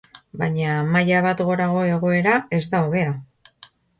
Baina maila bat gorago egoera ez da hobea.